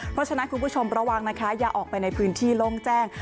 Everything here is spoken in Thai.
เพราะฉะนั้นคุณผู้ชมระวังนะคะอย่าออกไปในพื้นที่โล่งแจ้ง